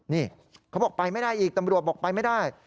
นี่เขาบอกไปไม่ได้อีกตำรวจบอกไปไม่ได้